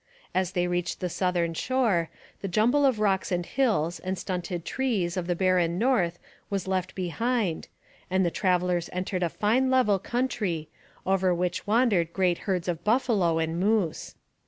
As they reached the southern shore, the jumble of rocks and hills and stunted trees of the barren north was left behind, and the travellers entered a fine level country, over which wandered great herds of buffalo and moose.